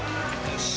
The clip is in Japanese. よし。